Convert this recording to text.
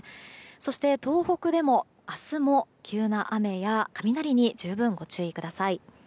そして、東北でも明日も急な雨や雷に十分ご注意ください。